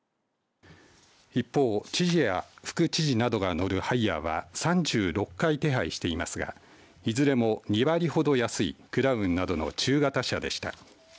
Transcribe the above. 一方、知事や副知事などが乗るハイヤーは３６回手配していますがいずれも２割ほど安いクラウンなどの中型車でした。